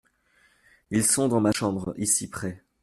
Ils sont dans ma chambre ici près.